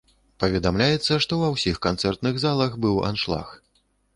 Паведамляецца, што ва ўсіх канцэртных залах быў аншлаг.